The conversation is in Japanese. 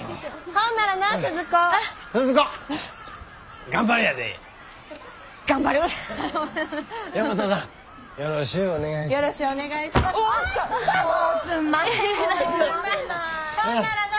ほんならな。